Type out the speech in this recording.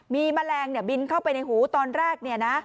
มีแมลงบินเข้าไปในหูตอนแรกเนี่ยนะ